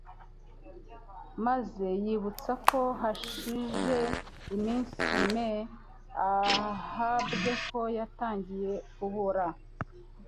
maze yibutsa ko hashije iminsi me ahambwe ko yatangiye kubora.